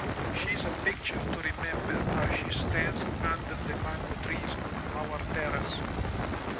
She is a picture to remember as she stands under the mango trees on our terrace.